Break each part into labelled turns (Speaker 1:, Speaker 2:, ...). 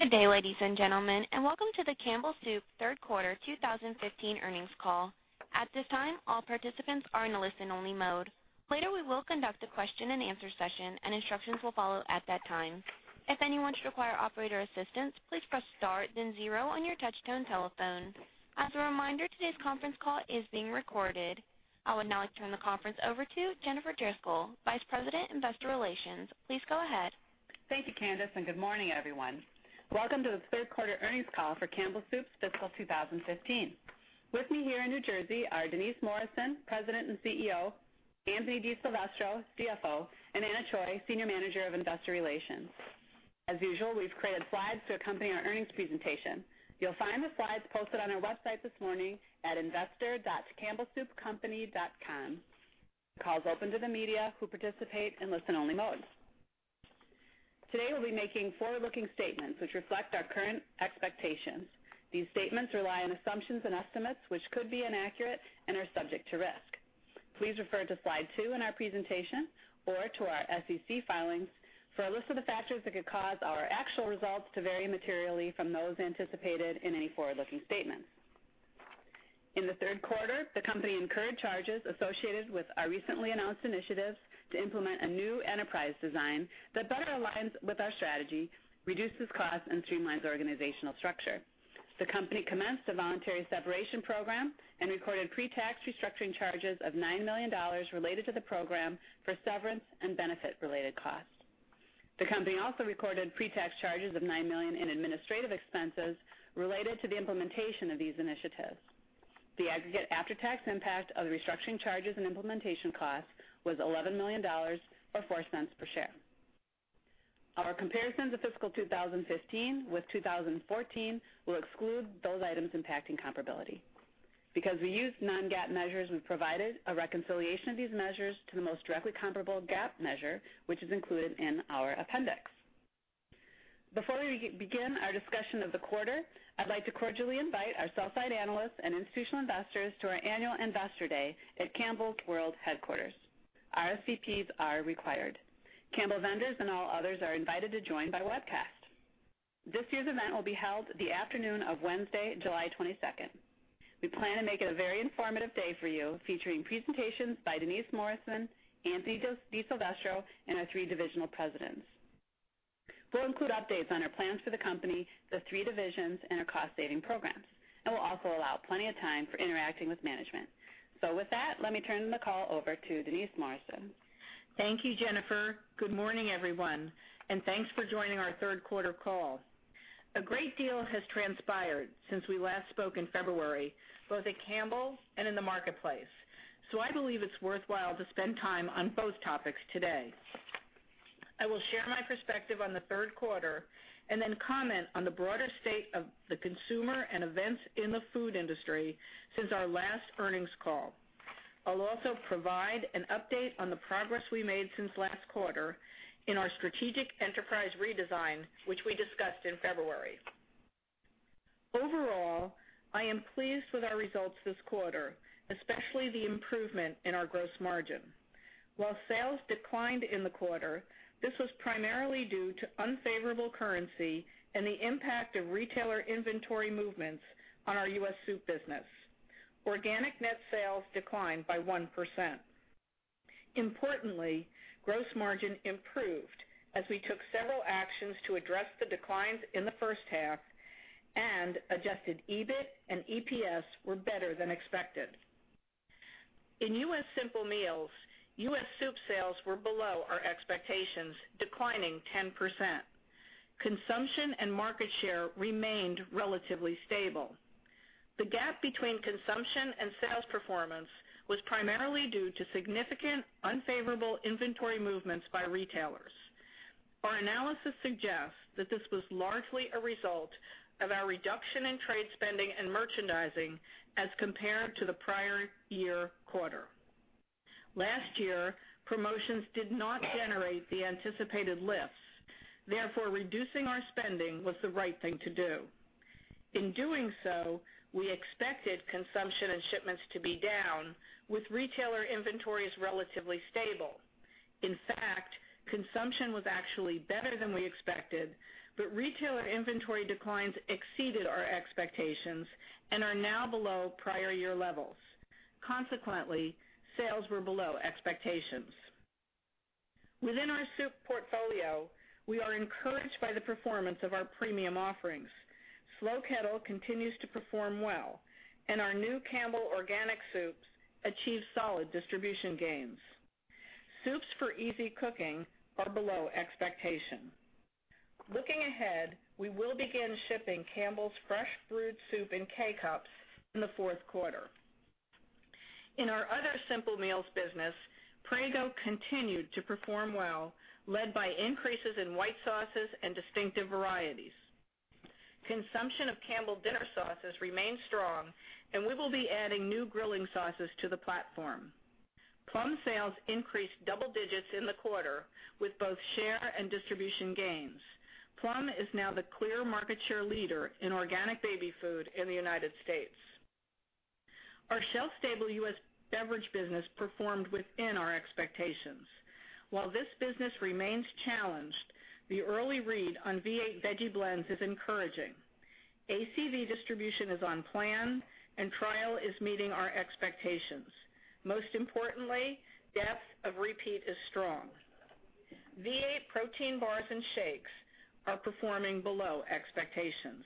Speaker 1: Good day, ladies and gentlemen, and welcome to the Campbell Soup third quarter 2015 earnings call. At this time, all participants are in a listen-only mode. Later, we will conduct a question and answer session and instructions will follow at that time. If anyone should require operator assistance, please press star then zero on your touch-tone telephone. As a reminder, today's conference call is being recorded. I would now like to turn the conference over to Jennifer Driscoll, Vice President, Investor Relations. Please go ahead.
Speaker 2: Thank you, Candice. Good morning, everyone. Welcome to the third quarter earnings call for Campbell Soup's fiscal 2015. With me here in New Jersey are Denise Morrison, President and CEO, Anthony DiSilvestro, CFO, and Anna Choi, Senior Manager of Investor Relations. As usual, we've created slides to accompany our earnings presentation. You'll find the slides posted on our website this morning at investor.campbellsoupcompany.com. The call is open to the media who participate in listen-only mode. Today we'll be making forward-looking statements which reflect our current expectations. These statements rely on assumptions and estimates which could be inaccurate and are subject to risk. Please refer to Slide 2 in our presentation or to our SEC filings for a list of the factors that could cause our actual results to vary materially from those anticipated in any forward-looking statements. In the third quarter, the company incurred charges associated with our recently announced initiatives to implement a new enterprise design that better aligns with our strategy, reduces costs, and streamlines organizational structure. The company commenced a voluntary separation program and recorded pre-tax restructuring charges of $9 million related to the program for severance and benefit-related costs. The company also recorded pre-tax charges of $9 million in administrative expenses related to the implementation of these initiatives. The aggregate after-tax impact of the restructuring charges and implementation costs was $11 million, or $0.04 per share. Our comparisons of fiscal 2015 with 2014 will exclude those items impacting comparability. Because we use non-GAAP measures, we've provided a reconciliation of these measures to the most directly comparable GAAP measure, which is included in our appendix. Before we begin our discussion of the quarter, I'd like to cordially invite our sell side analysts and institutional investors to our annual Investor Day at Campbell's world headquarters. RSVPs are required. Campbell vendors and all others are invited to join by webcast. This year's event will be held the afternoon of Wednesday, July 22nd. We plan to make it a very informative day for you, featuring presentations by Denise Morrison, Anthony DiSilvestro, and our three divisional presidents. We'll include updates on our plans for the company, the three divisions, and our cost-saving programs. We'll also allow plenty of time for interacting with management. With that, let me turn the call over to Denise Morrison.
Speaker 3: Thank you, Jennifer. Good morning, everyone, and thanks for joining our third quarter call. A great deal has transpired since we last spoke in February, both at Campbell and in the marketplace. I believe it's worthwhile to spend time on both topics today. I will share my perspective on the third quarter and then comment on the broader state of the consumer and events in the food industry since our last earnings call. I'll also provide an update on the progress we made since last quarter in our strategic enterprise redesign, which we discussed in February. Overall, I am pleased with our results this quarter, especially the improvement in our gross margin. While sales declined in the quarter, this was primarily due to unfavorable currency and the impact of retailer inventory movements on our U.S. soup business. Organic net sales declined by 1%. Importantly, gross margin improved as we took several actions to address the declines in the first half, and adjusted EBIT and EPS were better than expected. In U.S. Simple Meals, U.S. soup sales were below our expectations, declining 10%. Consumption and market share remained relatively stable. The gap between consumption and sales performance was primarily due to significant unfavorable inventory movements by retailers. Our analysis suggests that this was largely a result of our reduction in trade spending and merchandising as compared to the prior year quarter. Last year, promotions did not generate the anticipated lifts. Therefore, reducing our spending was the right thing to do. In doing so, we expected consumption and shipments to be down, with retailer inventories relatively stable. In fact, consumption was actually better than we expected, but retailer inventory declines exceeded our expectations and are now below prior year levels. Consequently, sales were below expectations. Within our soup portfolio, we are encouraged by the performance of our premium offerings. Slow Kettle continues to perform well, and our new Campbell organic soups achieved solid distribution gains. Soups for Easy Cooking are below expectation. Looking ahead, we will begin shipping Campbell's Fresh-Brewed Soup in K-Cups in the fourth quarter. In our other simple meals business, Prego continued to perform well, led by increases in white sauces and distinctive varieties. Consumption of Campbell's Dinner Sauces remains strong, and we will be adding new grilling sauces to the platform. Plum sales increased double digits in the quarter with both share and distribution gains. Plum is now the clear market share leader in organic baby food in the United States. Our shelf-stable U.S. beverage business performed within our expectations. While this business remains challenged, the early read on V8 Veggie Blends is encouraging. ACV distribution is on plan, and trial is meeting our expectations. Most importantly, depth of repeat is strong. V8 protein bars and shakes are performing below expectations.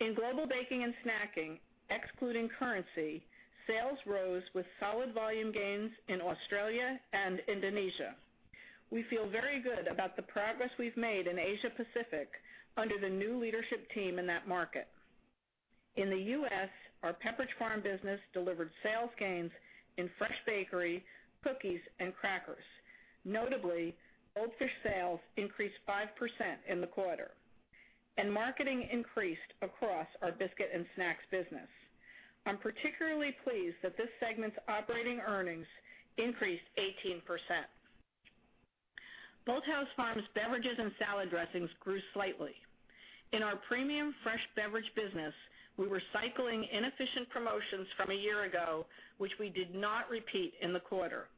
Speaker 3: In Global Baking and Snacking, excluding currency, sales rose with solid volume gains in Australia and Indonesia. We feel very good about the progress we've made in Asia Pacific under the new leadership team in that market. In the U.S., our Pepperidge Farm business delivered sales gains in fresh bakery, cookies, and crackers. Notably, Goldfish sales increased 5% in the quarter. Marketing increased across our biscuit and snacks business. I'm particularly pleased that this segment's operating earnings increased 18%. Bolthouse Farms beverages and salad dressings grew slightly. In our premium fresh beverage business, we were cycling inefficient promotions from a year ago, which we did not repeat in the quarter.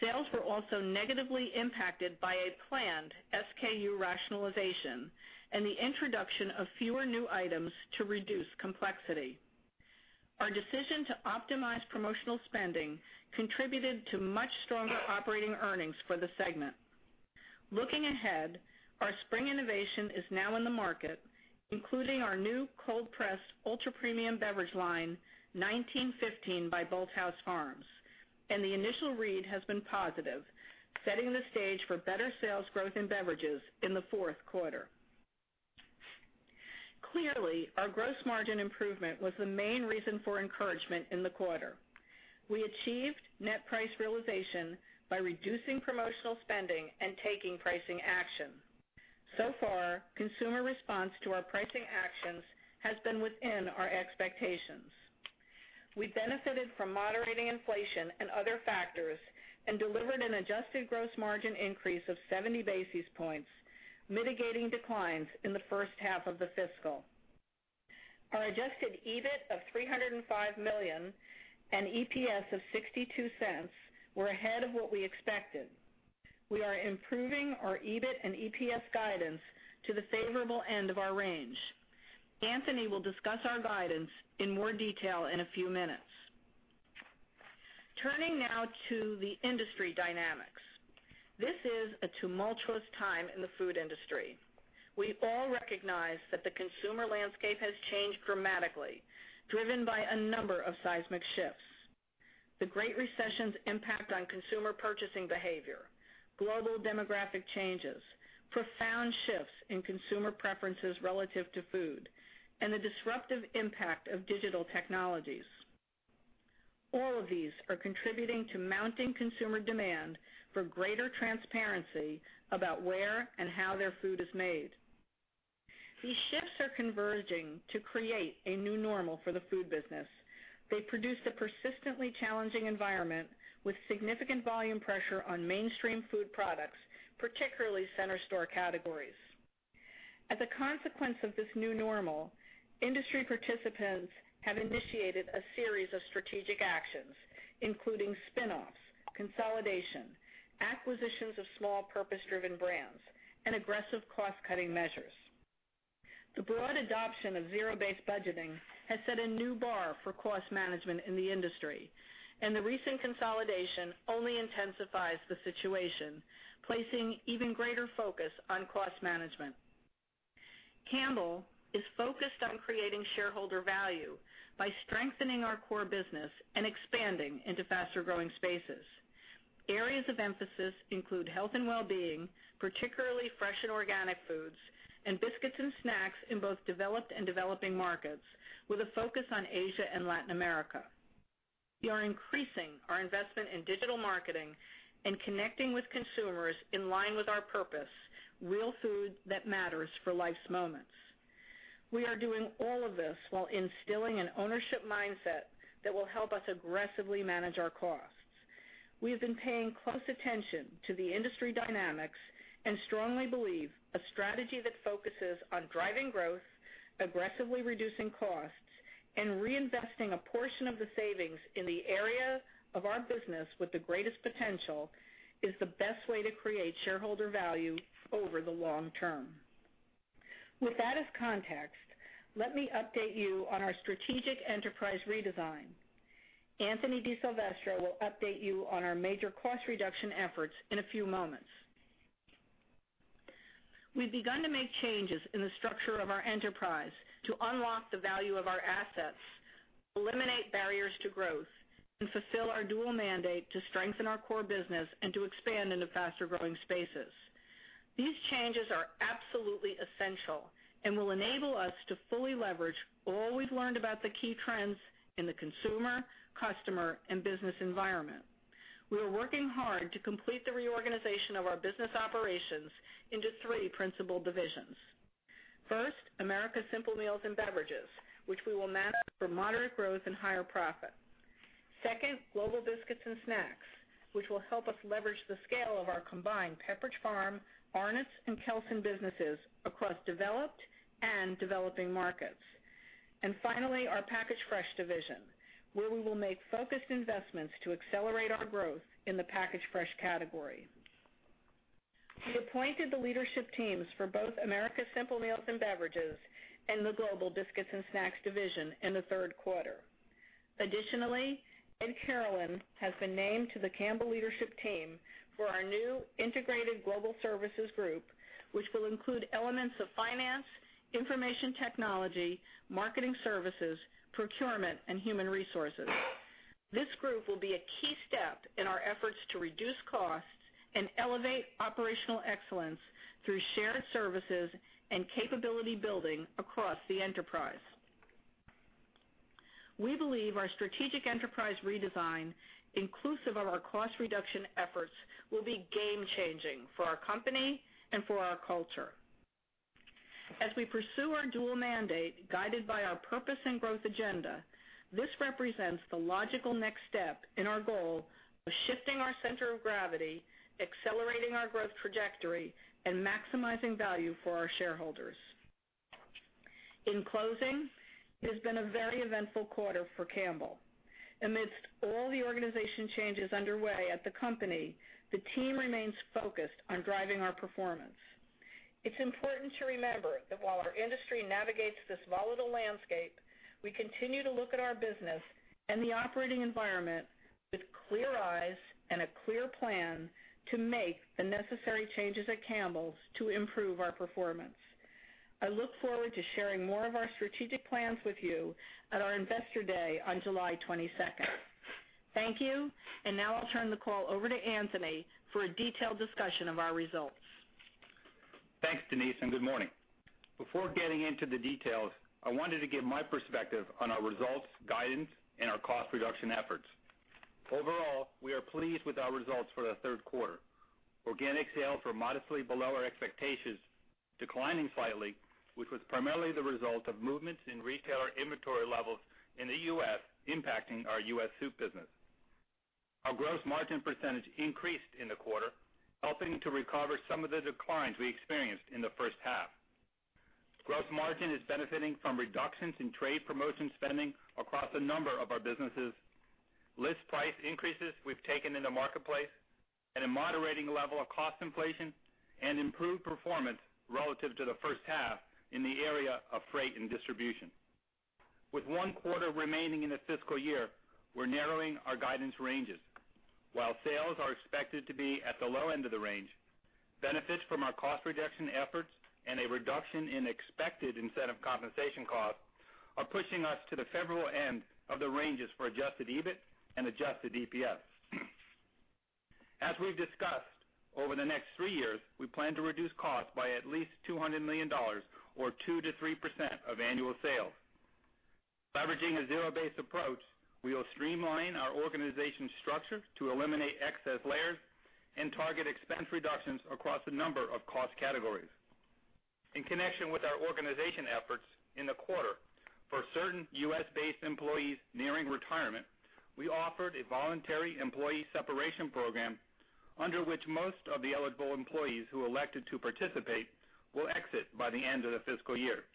Speaker 3: Sales were also negatively impacted by a planned SKU rationalization and the introduction of fewer new items to reduce complexity. Our decision to optimize promotional spending contributed to much stronger operating earnings for the segment. Looking ahead, our spring innovation is now in the market, including our new cold press, ultra-premium beverage line, 1915 by Bolthouse Farms, and the initial read has been positive, setting the stage for better sales growth in beverages in the fourth quarter. Clearly, our gross margin improvement was the main reason for encouragement in the quarter. We achieved net price realization by reducing promotional spending and taking pricing action. Consumer response to our pricing actions has been within our expectations. We benefited from moderating inflation and other factors and delivered an adjusted gross margin increase of 70 basis points, mitigating declines in the first half of the fiscal. Our adjusted EBIT of $305 million and EPS of $0.62 were ahead of what we expected. We are improving our EBIT and EPS guidance to the favorable end of our range. Anthony will discuss our guidance in more detail in a few minutes. Turning now to the industry dynamics. This is a tumultuous time in the food industry. We all recognize that the consumer landscape has changed dramatically, driven by a number of seismic shifts. The Great Recession's impact on consumer purchasing behavior, global demographic changes, profound shifts in consumer preferences relative to food, and the disruptive impact of digital technologies. All of these are contributing to mounting consumer demand for greater transparency about where and how their food is made. These shifts are converging to create a new normal for the food business. They produce a persistently challenging environment with significant volume pressure on mainstream food products, particularly center store categories. As a consequence of this new normal, industry participants have initiated a series of strategic actions, including spinoffs, consolidation, acquisitions of small purpose-driven brands, and aggressive cost-cutting measures. The broad adoption of Zero-Based Budgeting has set a new bar for cost management in the industry, and the recent consolidation only intensifies the situation, placing even greater focus on cost management. Campbell is focused on creating shareholder value by strengthening our core business and expanding into faster-growing spaces. Areas of emphasis include health and wellbeing, particularly fresh and organic foods, and biscuits and snacks in both developed and developing markets, with a focus on Asia and Latin America. We are increasing our investment in digital marketing and connecting with consumers in line with our purpose, Real Food That Matters for Life's Moments. We are doing all of this while instilling an ownership mindset that will help us aggressively manage our costs. We have been paying close attention to the industry dynamics and strongly believe a strategy that focuses on driving growth, aggressively reducing costs, and reinvesting a portion of the savings in the area of our business with the greatest potential is the best way to create shareholder value over the long term. With that as context, let me update you on our Strategic Enterprise Redesign. Anthony DiSilvestro will update you on our major cost reduction efforts in a few moments. We've begun to make changes in the structure of our enterprise to unlock the value of our assets, eliminate barriers to growth, and fulfill our dual mandate to strengthen our core business and to expand into faster-growing spaces. These changes are absolutely essential and will enable us to fully leverage all we've learned about the key trends in the consumer, customer, and business environment. We are working hard to complete the reorganization of our business operations into three principal divisions. First, Americas Simple Meals and Beverages, which we will manage for moderate growth and higher profit. Second, Global Biscuits and Snacks, which will help us leverage the scale of our combined Pepperidge Farm, Arnott's, and Kelsen businesses across developed and developing markets. And finally, our packaged fresh division, where we will make focused investments to accelerate our growth in the packaged fresh category. We appointed the leadership teams for both Americas Simple Meals and Beverages and the Global Biscuits and Snacks division in the third quarter. Additionally, Ed Carolan has been named to the Campbell leadership team for our new integrated global services group, which will include elements of finance, information technology, marketing services, procurement, and human resources. This group will be a key step in our efforts to reduce costs and elevate operational excellence through shared services and capability building across the enterprise. We believe our strategic enterprise redesign, inclusive of our cost reduction efforts, will be game changing for our company and for our culture. As we pursue our dual mandate guided by our purpose and growth agenda, this represents the logical next step in our goal of shifting our center of gravity, accelerating our growth trajectory, and maximizing value for our shareholders. In closing, it has been a very eventful quarter for Campbell. Amidst all the organization changes underway at the company, the team remains focused on driving our performance. It's important to remember that while our industry navigates this volatile landscape, we continue to look at our business and the operating environment with clear eyes and a clear plan to make the necessary changes at Campbell's to improve our performance. I look forward to sharing more of our strategic plans with you at our Investor Day on July 22nd. Thank you. And now I'll turn the call over to Anthony for a detailed discussion of our results.
Speaker 4: Thanks, Denise, and good morning. Before getting into the details, I wanted to give my perspective on our results, guidance, and our cost reduction efforts. Overall, we are pleased with our results for the third quarter. Organic sales were modestly below our expectations, declining slightly, which was primarily the result of movements in retailer inventory levels in the U.S. impacting our U.S. soup business. Our gross margin percentage increased in the quarter, helping to recover some of the declines we experienced in the first half. Gross margin is benefiting from reductions in trade promotion spending across a number of our businesses, list price increases we've taken in the marketplace, and a moderating level of cost inflation, and improved performance relative to the first half in the area of freight and distribution. With one quarter remaining in the fiscal year, we're narrowing our guidance ranges. While sales are expected to be at the low end of the range, benefits from our cost reduction efforts and a reduction in expected incentive compensation costs are pushing us to the favorable end of the ranges for adjusted EBIT and adjusted EPS. As we've discussed, over the next three years, we plan to reduce costs by at least $200 million, or 2%-3% of annual sales. Leveraging a zero-base approach, we will streamline our organization structure to eliminate excess layers and target expense reductions across a number of cost categories. In connection with our organization efforts in the quarter, for certain U.S.-based employees nearing retirement, we offered a voluntary employee separation program under which most of the eligible employees who elected to participate will exit by the end of the fiscal year.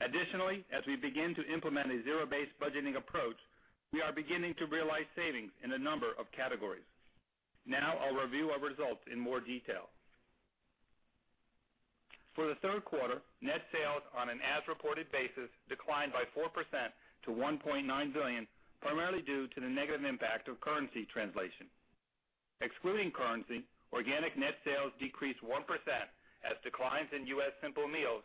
Speaker 4: Additionally, as we begin to implement a zero-based budgeting approach, we are beginning to realize savings in a number of categories. Now I'll review our results in more detail. For the third quarter, net sales on an as reported basis declined by 4% to $1.9 billion, primarily due to the negative impact of currency translation. Excluding currency, organic net sales decreased 1% as declines in U.S. Simple Meals,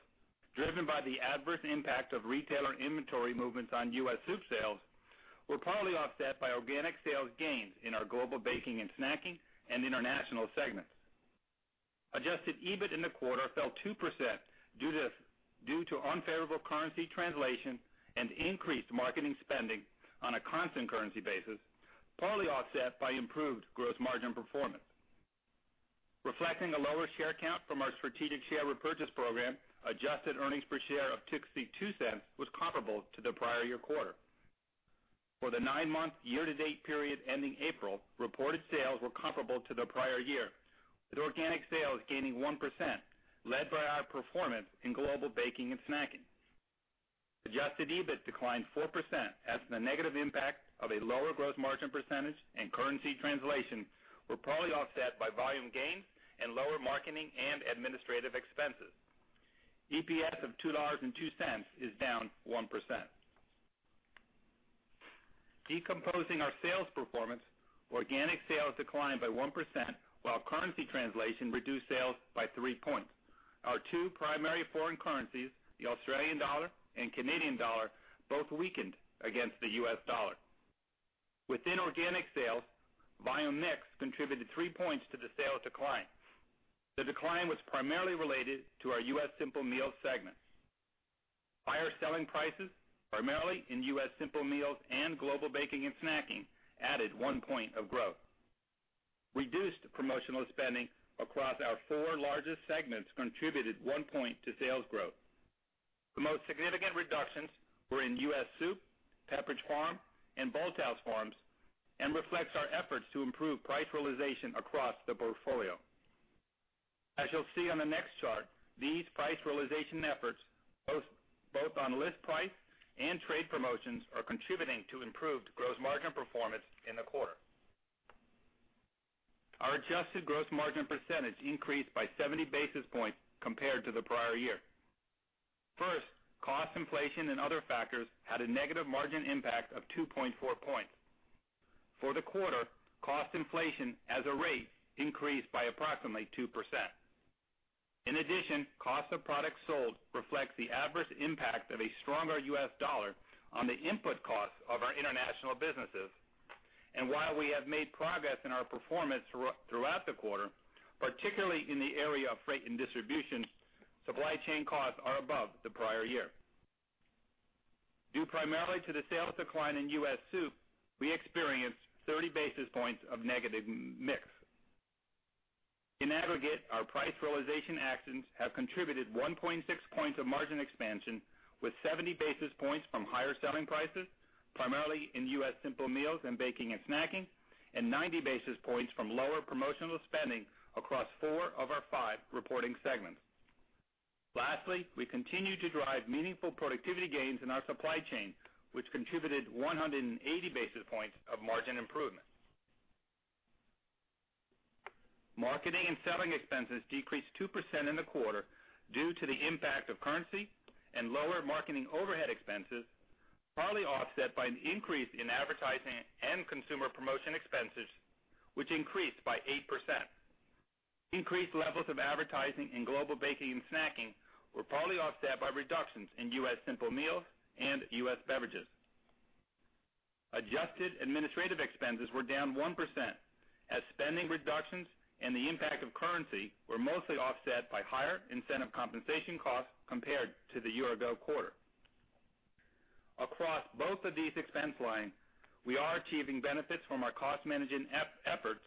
Speaker 4: driven by the adverse impact of retailer inventory movements on U.S. soup sales, were partly offset by organic sales gains in our Global Baking and Snacking and International segments. Adjusted EBIT in the quarter fell 2% due to unfavorable currency translation and increased marketing spending on a constant currency basis, partly offset by improved gross margin performance. Reflecting a lower share count from our strategic share repurchase program, adjusted earnings per share of $0.62 was comparable to the prior year quarter. For the nine-month year-to-date period ending April, reported sales were comparable to the prior year, with organic sales gaining 1%, led by our performance in Global Baking and Snacking. Adjusted EBIT declined 4% as the negative impact of a lower gross margin percentage and currency translation were partly offset by volume gains and lower marketing and administrative expenses. EPS of $2.02 is down 1%. Decomposing our sales performance, organic sales declined by 1%, while currency translation reduced sales by three points. Our two primary foreign currencies, the Australian dollar and Canadian dollar, both weakened against the U.S. dollar. Within organic sales, volume mix contributed three points to the sales decline. The decline was primarily related to our U.S. Simple Meals segment. Higher selling prices, primarily in U.S. Simple Meals and Global Baking and Snacking, added one point of growth. Reduced promotional spending across our four largest segments contributed one point to sales growth. The most significant reductions were in U.S. Soup, Pepperidge Farm, and Bolthouse Farms, and reflects our efforts to improve price realization across the portfolio. As you'll see on the next chart, these price realization efforts, both on list price and trade promotions, are contributing to improved gross margin performance in the quarter. Our adjusted gross margin percentage increased by 70 basis points compared to the prior year. First, cost inflation and other factors had a negative margin impact of 2.4 points. For the quarter, cost inflation as a rate increased by approximately 2%. In addition, cost of products sold reflects the adverse impact of a stronger U.S. dollar on the input costs of our international businesses. While we have made progress in our performance throughout the quarter, particularly in the area of freight and distribution, supply chain costs are above the prior year. Due primarily to the sales decline in U.S. soup, we experienced 30 basis points of negative mix. In aggregate, our price realization actions have contributed 1.6 points of margin expansion with 70 basis points from higher selling prices, primarily in U.S. Simple Meals and Global Baking and Snacking, and 90 basis points from lower promotional spending across four of our five reporting segments. Lastly, we continue to drive meaningful productivity gains in our supply chain, which contributed 180 basis points of margin improvement. Marketing and selling expenses decreased 2% in the quarter due to the impact of currency and lower marketing overhead expenses, partly offset by an increase in advertising and consumer promotion expenses, which increased by 8%. Increased levels of advertising in Global Baking and Snacking were partly offset by reductions in U.S. Simple Meals and U.S. Beverages. Adjusted administrative expenses were down 1%, as spending reductions and the impact of currency were mostly offset by higher incentive compensation costs compared to the year-ago quarter. Across both of these expense lines, we are achieving benefits from our cost-managing efforts,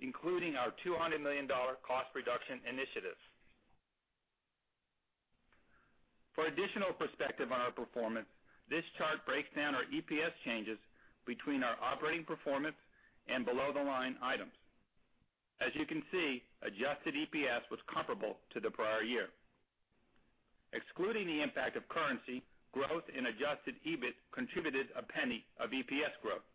Speaker 4: including our $200 million cost reduction initiatives. For additional perspective on our performance, this chart breaks down our EPS changes between our operating performance and below-the-line items. As you can see, adjusted EPS was comparable to the prior year. Excluding the impact of currency, growth in adjusted EBIT contributed $0.01 of EPS growth.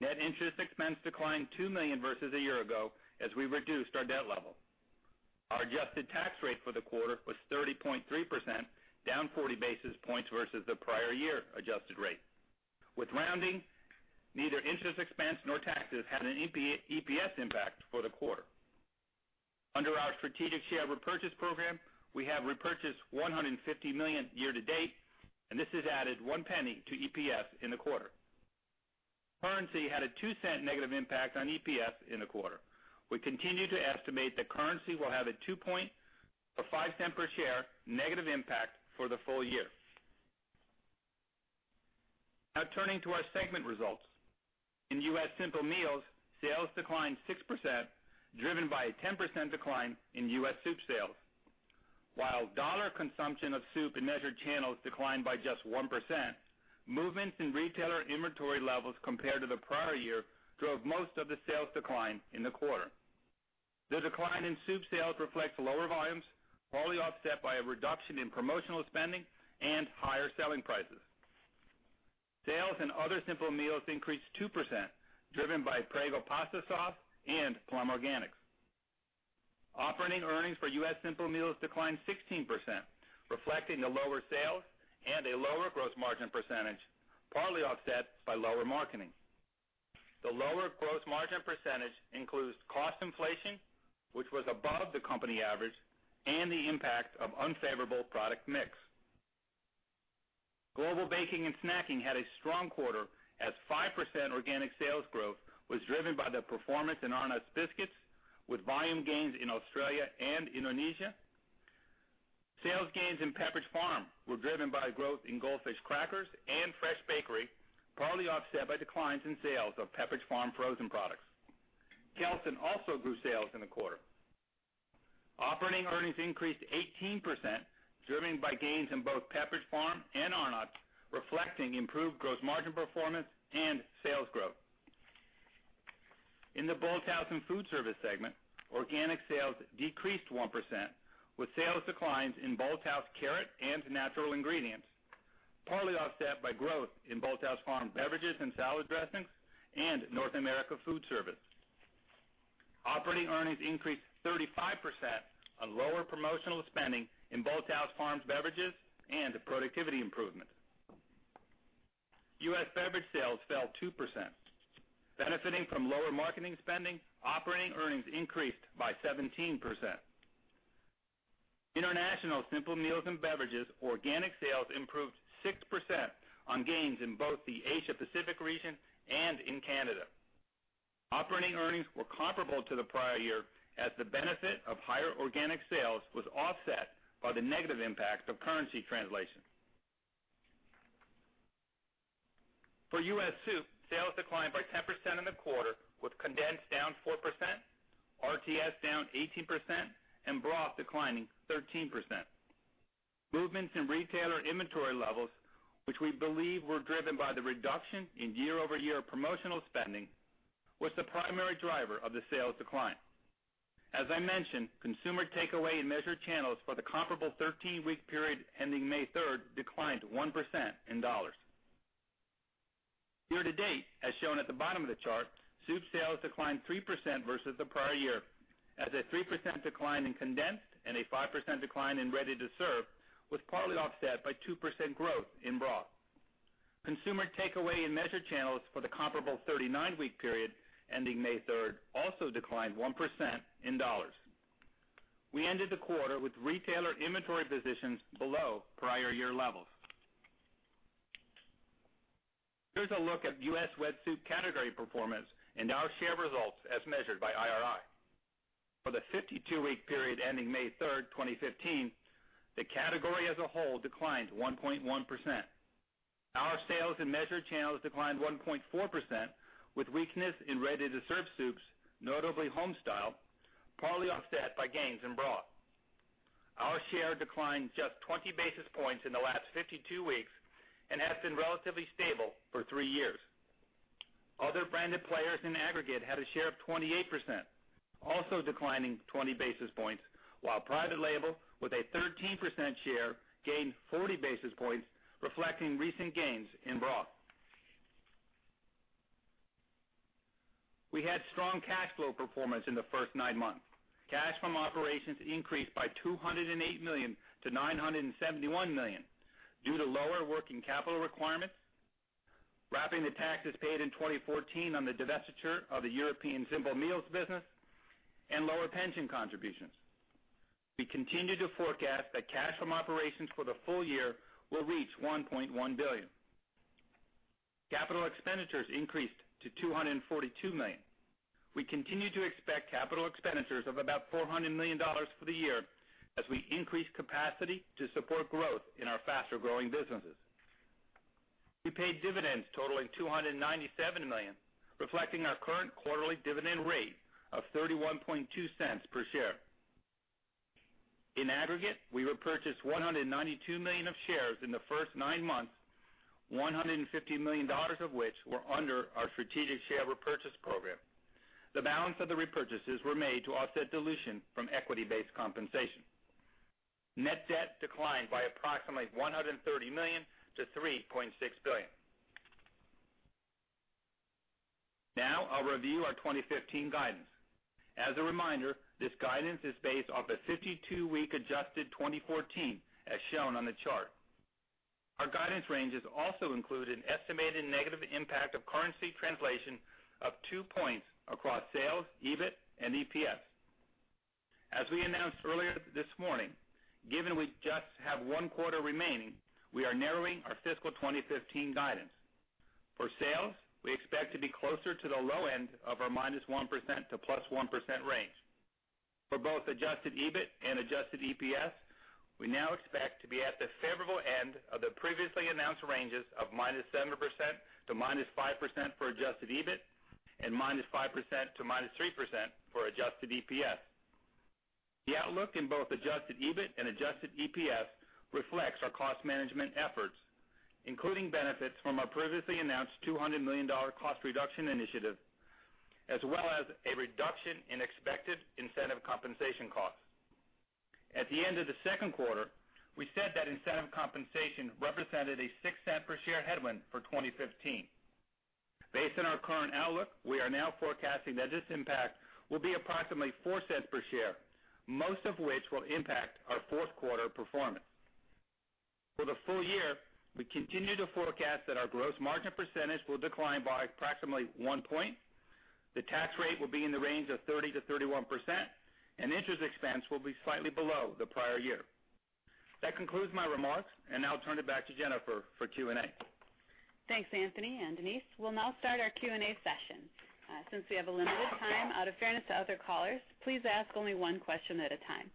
Speaker 4: Net interest expense declined $2 million versus a year ago as we reduced our debt level. Our adjusted tax rate for the quarter was 30.3%, down 40 basis points versus the prior year adjusted rate. With rounding, neither interest expense nor taxes had an EPS impact for the quarter. Under our strategic share repurchase program, we have repurchased $150 million year to date, and this has added $0.01 to EPS in the quarter. Currency had a $0.02 negative impact on EPS in the quarter. We continue to estimate that currency will have a 2 points or $0.05 per share negative impact for the full year. Turning to our segment results. In U.S. Simple Meals, sales declined 6%, driven by a 10% decline in U.S. soup sales. While dollar consumption of soup in measured channels declined by just 1%, movements in retailer inventory levels compared to the prior year drove most of the sales decline in the quarter. The decline in soup sales reflects lower volumes, partly offset by a reduction in promotional spending and higher selling prices. Sales in other simple meals increased 2%, driven by Prego pasta sauce and Plum Organics. Operating earnings for U.S. Simple Meals declined 16%, reflecting the lower sales and a lower gross margin percentage, partly offset by lower marketing. The lower gross margin percentage includes cost inflation, which was above the company average, and the impact of unfavorable product mix. Global Baking and Snacking had a strong quarter as 5% organic sales growth was driven by the performance in Arnott's biscuits with volume gains in Australia and Indonesia. Sales gains in Pepperidge Farm were driven by growth in Goldfish crackers and fresh bakery, partly offset by declines in sales of Pepperidge Farm frozen products. Kelsen also grew sales in the quarter. Operating earnings increased 18%, driven by gains in both Pepperidge Farm and Arnott's, reflecting improved gross margin performance and sales growth. In the Bolthouse and Foodservice segment, organic sales decreased 1%, with sales declines in Bolthouse carrot and natural ingredients, partly offset by growth in Bolthouse Farms beverages and salad dressings and North America Foodservice. Operating earnings increased 35% on lower promotional spending in Bolthouse Farms beverages and productivity improvement. U.S. Beverage sales fell 2%. Benefiting from lower marketing spending, operating earnings increased by 17%. International Simple Meals and Beverages organic sales improved 6% on gains in both the Asia-Pacific region and in Canada. Operating earnings were comparable to the prior year as the benefit of higher organic sales was offset by the negative impact of currency translation. For U.S. soup, sales declined by 10% in the quarter, with condensed down 4%, RTS down 18%, and broth declining 13%. Movements in retailer inventory levels, which we believe were driven by the reduction in year-over-year promotional spending, was the primary driver of the sales decline. As I mentioned, consumer takeaway in measured channels for the comparable 13-week period ending May 3rd declined 1% in dollars. Year-to-date, as shown at the bottom of the chart, soup sales declined 3% versus the prior year as a 3% decline in condensed and a 5% decline in ready-to-serve was partly offset by 2% growth in broth. Consumer takeaway in measured channels for the comparable 39-week period ending May 3rd also declined 1% in dollars. We ended the quarter with retailer inventory positions below prior year levels. Here's a look at U.S. wet soup category performance and our share results as measured by IRI. For the 52-week period ending May 3rd, 2015, the category as a whole declined 1.1%. Our sales in measured channels declined 1.4%, with weakness in ready-to-serve soups, notably Homestyle, partly offset by gains in broth. Our share declined just 20 basis points in the last 52 weeks and has been relatively stable for three years. Other branded players in aggregate had a share of 28%, also declining 20 basis points, while private label, with a 13% share, gained 40 basis points, reflecting recent gains in broth. We had strong cash flow performance in the first nine months. Cash from operations increased by $208 million to $971 million due to lower working capital requirements, wrapping the taxes paid in 2014 on the divestiture of the Europe Simple Meals business, and lower pension contributions. We continue to forecast that cash from operations for the full year will reach $1.1 billion. Capital expenditures increased to $242 million. We continue to expect capital expenditures of about $400 million for the year as we increase capacity to support growth in our faster-growing businesses. We paid dividends totaling $297 million, reflecting our current quarterly dividend rate of $0.312 per share. In aggregate, we repurchased $192 million of shares in the first nine months, $150 million of which were under our strategic share repurchase program. The balance of the repurchases were made to offset dilution from equity-based compensation. Net debt declined by approximately $130 million to $3.6 billion. I'll review our 2015 guidance. As a reminder, this guidance is based off a 52-week adjusted 2014, as shown on the chart. Our guidance ranges also include an estimated negative impact of currency translation of two points across sales, EBIT, and EPS. As we announced earlier this morning, given we just have one quarter remaining, we are narrowing our fiscal 2015 guidance. For sales, we expect to be closer to the low end of our -1% to +1% range. For both adjusted EBIT and adjusted EPS, we now expect to be at the favorable end of the previously announced ranges of -7% to -5% for adjusted EBIT and -5% to -3% for adjusted EPS. The outlook in both adjusted EBIT and adjusted EPS reflects our cost management efforts, including benefits from our previously announced $200 million cost reduction initiative, as well as a reduction in expected incentive compensation costs. At the end of the second quarter, we said that incentive compensation represented a $0.06 per share headwind for 2015. Based on our current outlook, we are now forecasting that this impact will be approximately $0.04 per share, most of which will impact our fourth quarter performance. For the full year, we continue to forecast that our gross margin percentage will decline by approximately one point, the tax rate will be in the range of 30%-31%, and interest expense will be slightly below the prior year. That concludes my remarks, and now I'll turn it back to Jennifer for Q&A.
Speaker 2: Thanks, Anthony and Denise. We'll now start our Q&A session. Since we have a limited time, out of fairness to other callers, please ask only one question at a time.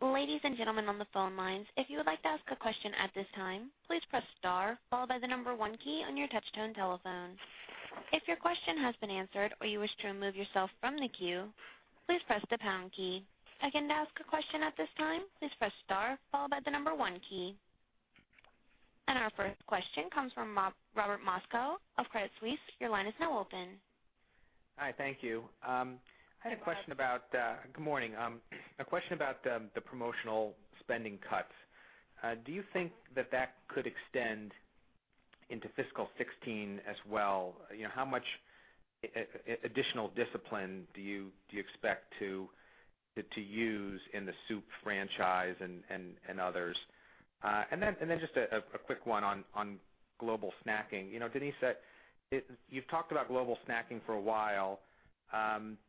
Speaker 1: Ladies and gentlemen on the phone lines, if you would like to ask a question at this time, please press star followed by the number 1 key on your touch-tone telephone. If your question has been answered or you wish to remove yourself from the queue, please press the pound key. Again, to ask a question at this time, please press star followed by the number 1 key. Our first question comes from Robert Moskow of Credit Suisse. Your line is now open.
Speaker 5: Hi. Thank you. Good morning. A question about the promotional spending cuts. Do you think that that could extend into fiscal 2016 as well? How much additional discipline do you expect to use in the soup franchise and others? Just a quick one on global snacking. Denise, you've talked about global snacking for a while,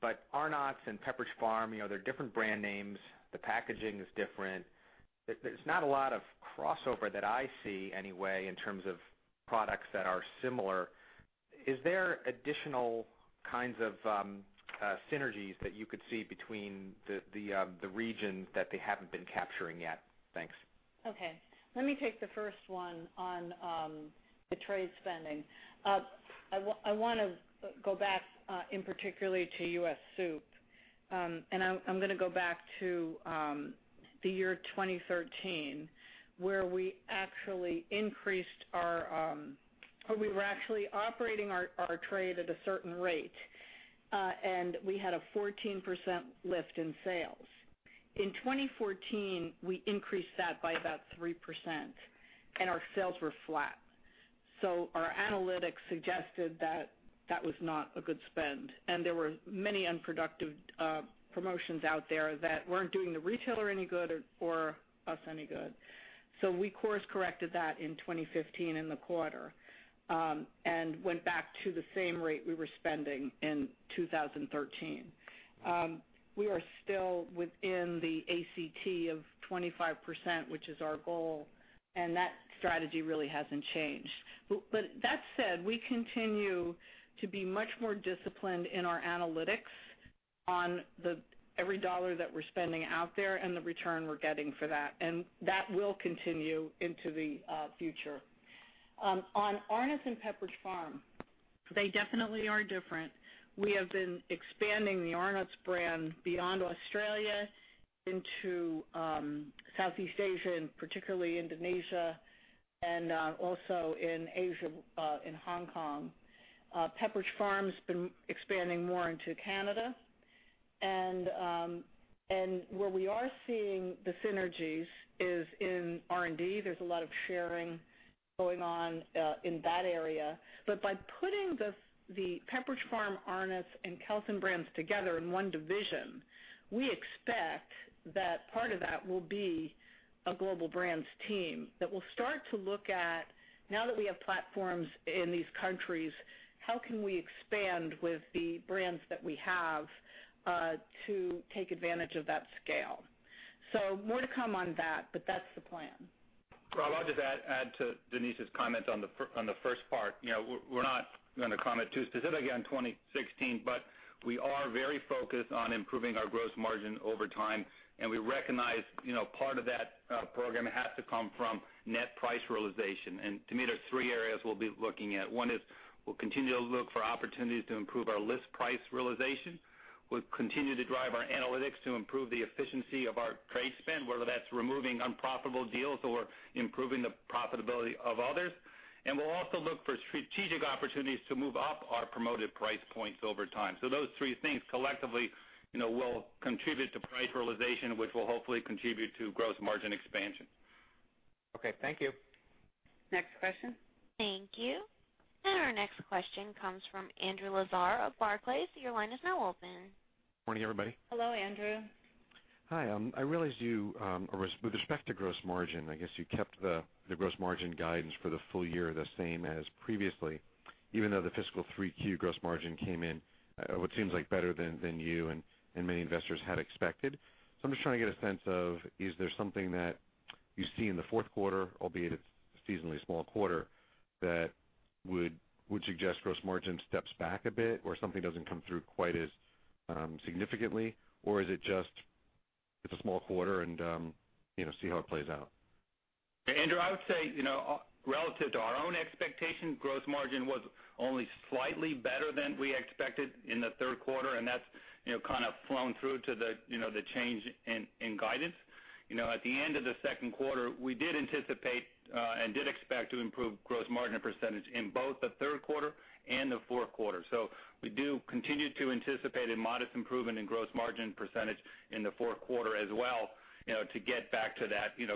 Speaker 5: but Arnott's and Pepperidge Farm, they're different brand names. The packaging is different. There's not a lot of crossover that I see anyway in terms of products that are similar. Is there additional kinds of synergies that you could see between the regions that they haven't been capturing yet? Thanks.
Speaker 3: Okay. Let me take the first one on the trade spending. I want to go back, in particular, to U.S. soup. I'm going to go back to the year 2013, where we were actually operating our trade at a certain rate, and we had a 14% lift in sales. In 2014, we increased that by about 3%, and our sales were flat. Our analytics suggested that that was not a good spend, and there were many unproductive promotions out there that weren't doing the retailer any good or us any good. We course-corrected that in 2015 in the quarter and went back to the same rate we were spending in 2013. We are still within the ACT of 25%, which is our goal, and that strategy really hasn't changed. That said, we continue to be much more disciplined in our analytics on every dollar that we're spending out there and the return we're getting for that, and that will continue into the future. On Arnott's and Pepperidge Farm, they definitely are different. We have been expanding the Arnott's brand beyond Australia into Southeast Asia, and particularly Indonesia and also in Asia, in Hong Kong. Pepperidge Farm's been expanding more into Canada. Where we are seeing the synergies is in R&D. There's a lot of sharing going on in that area. By putting the Pepperidge Farm, Arnott's, and Kelsen brands together in one division, we expect that part of that will be a global brands team that will start to look at, now that we have platforms in these countries, how can we expand with the brands that we have to take advantage of that scale? More to come on that, but that's the plan.
Speaker 4: Rob, I'll just add to Denise's comment on the first part. We're not going to comment too specifically on 2016, but we are very focused on improving our gross margin over time, and we recognize part of that program has to come from net price realization. To me, there's three areas we'll be looking at. One is we'll continue to look for opportunities to improve our list price realization. We'll continue to drive our analytics to improve the efficiency of our trade spend, whether that's removing unprofitable deals or improving the profitability of others. We'll also look for strategic opportunities to move up our promoted price points over time. Those three things collectively will contribute to price realization, which will hopefully contribute to gross margin expansion.
Speaker 5: Okay, thank you.
Speaker 3: Next question.
Speaker 1: Thank you. Our next question comes from Andrew Lazar of Barclays. Your line is now open.
Speaker 6: Morning, everybody.
Speaker 3: Hello, Andrew.
Speaker 6: Hi, with respect to gross margin, I guess you kept the gross margin guidance for the full year the same as previously, even though the fiscal 3Q gross margin came in what seems like better than you and many investors had expected. I'm just trying to get a sense of, is there something that you see in the fourth quarter, albeit it's a seasonally small quarter, that would suggest gross margin steps back a bit or something doesn't come through quite as significantly? Is it just, it's a small quarter and see how it plays out?
Speaker 4: Andrew, I would say, relative to our own expectations, gross margin was only slightly better than we expected in the third quarter, and that's kind of flown through to the change in guidance. At the end of the second quarter, we did anticipate and did expect to improve gross margin percentage in both the third quarter and the fourth quarter. We do continue to anticipate a modest improvement in gross margin percentage in the fourth quarter as well to get back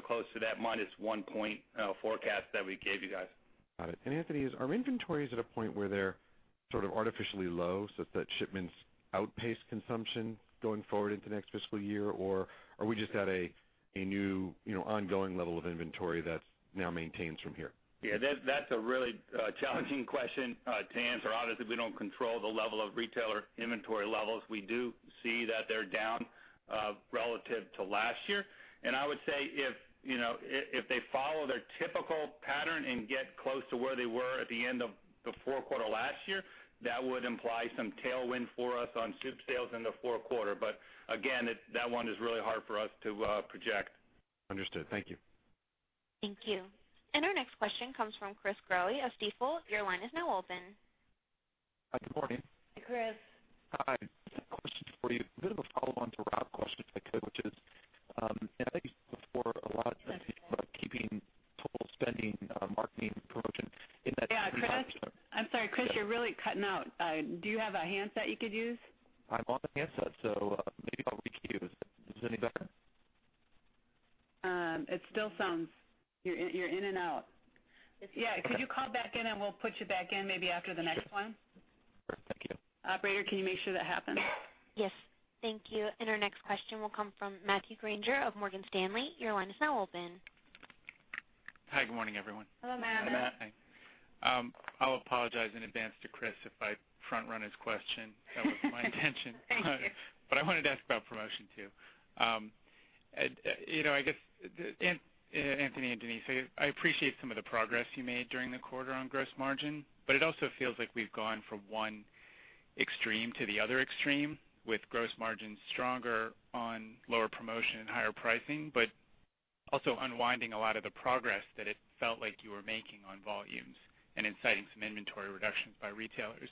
Speaker 4: close to that minus one point forecast that we gave you guys.
Speaker 6: Got it. Anthony, are inventories at a point where they're sort of artificially low, such that shipments outpace consumption going forward into next fiscal year? Are we just at a new ongoing level of inventory that's now maintained from here?
Speaker 4: Yeah, that's a really challenging question to answer. Obviously, we don't control the level of retailer inventory levels. We do see that they're down relative to last year. I would say if they follow their typical pattern and get close to where they were at the end of the fourth quarter last year, that would imply some tailwind for us on soup sales in the fourth quarter. Again, that one is really hard for us to project.
Speaker 6: Understood. Thank you.
Speaker 1: Thank you. Our next question comes from Chris Growe of Stifel. Your line is now open.
Speaker 7: Good morning.
Speaker 3: Hi, Chris.
Speaker 7: Hi. I have a question for you, a bit of a follow-on to Rob's question, if I could, which is, I think before.
Speaker 3: Yes
Speaker 7: about keeping total spending, marketing promotion in that-
Speaker 3: Yeah, Chris, I'm sorry. Chris, you're really cutting out. Do you have a handset you could use?
Speaker 7: I'm on the handset, so maybe I'll re-cue. Is this any better?
Speaker 3: It still sounds. You're in and out. Yeah, could you call back in and we'll put you back in maybe after the next one?
Speaker 7: Sure. Thank you.
Speaker 3: Operator, can you make sure that happens?
Speaker 1: Yes. Thank you. Our next question will come from Matthew Grainger of Morgan Stanley. Your line is now open.
Speaker 8: Hi, good morning, everyone.
Speaker 3: Hello, Matt. Hi Matt, hi. I'll apologize in advance to Chris if I front-run his question. That was my intention. Thank you.
Speaker 8: I wanted to ask about promotion, too. I guess, Anthony and Denise, I appreciate some of the progress you made during the quarter on gross margin, but it also feels like we've gone from one extreme to the other extreme with gross margin stronger on lower promotion and higher pricing, but also unwinding a lot of the progress that it felt like you were making on volumes and inciting some inventory reductions by retailers.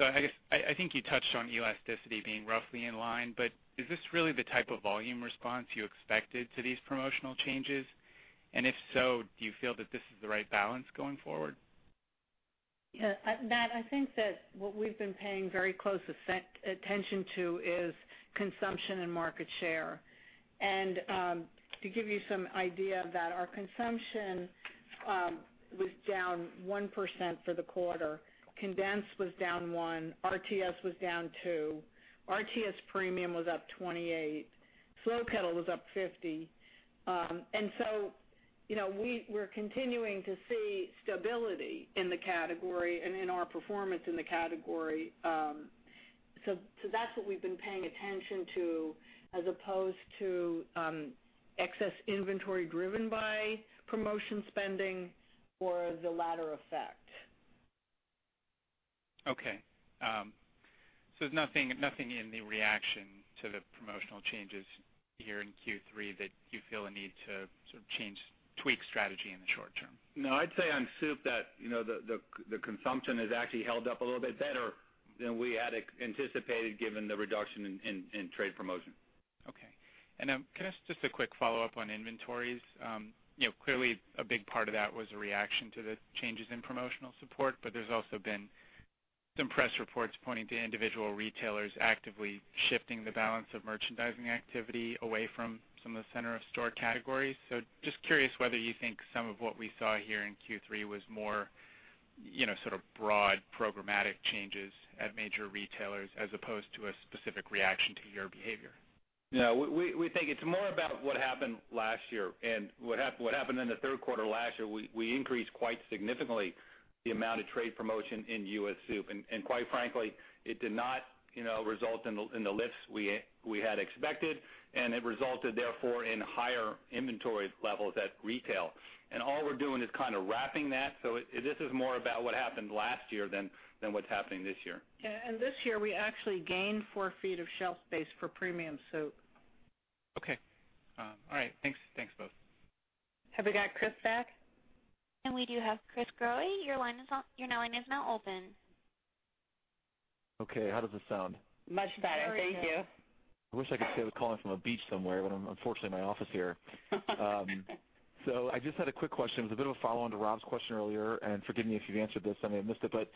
Speaker 8: I think you touched on elasticity being roughly in line, but is this really the type of volume response you expected to these promotional changes? If so, do you feel that this is the right balance going forward?
Speaker 3: Matt, I think that what we've been paying very close attention to is consumption and market share. To give you some idea of that, our consumption was down 1% for the quarter. Condensed was down 1, RTS was down 2, RTS Premium was up 28, Slow Kettle was up 50. We're continuing to see stability in the category and in our performance in the category. That's what we've been paying attention to, as opposed to excess inventory driven by promotion spending or the latter effect.
Speaker 8: Okay. There's nothing in the reaction to the promotional changes here in Q3 that you feel a need to sort of change, tweak strategy in the short term?
Speaker 4: No, I'd say on soup that the consumption has actually held up a little bit better than we had anticipated given the reduction in trade promotion.
Speaker 8: Okay. Can I ask just a quick follow-up on inventories? Clearly a big part of that was a reaction to the changes in promotional support, but there's also been some press reports pointing to individual retailers actively shifting the balance of merchandising activity away from some of the center of store categories. Just curious whether you think some of what we saw here in Q3 was more sort of broad programmatic changes at major retailers as opposed to a specific reaction to your behavior.
Speaker 4: Yeah. We think it's more about what happened last year and what happened in the third quarter last year, we increased quite significantly the amount of trade promotion in U.S. soup. Quite frankly, it did not result in the lifts we had expected, and it resulted therefore in higher inventory levels at retail. All we're doing is kind of wrapping that, so this is more about what happened last year than what's happening this year.
Speaker 3: Yeah, this year, we actually gained four feet of shelf space for premium soup.
Speaker 8: Okay. All right, thanks both.
Speaker 3: Have we got Chris back?
Speaker 1: We do have Chris Growe. Your line is now open.
Speaker 7: Okay. How does this sound?
Speaker 3: Much better. Thank you.
Speaker 7: Very good. I wish I could say I was calling from a beach somewhere, but I'm unfortunately in my office here. I just had a quick question. It was a bit of a follow-on to Rob's question earlier, and forgive me if you've answered this, I may have missed it, but